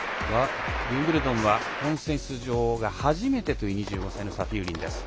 ウィンブルドンは本戦出場が初めてという２５歳のサフィウリン。